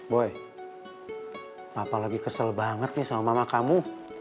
boy papa lagi kesel banget nih sama mama kamu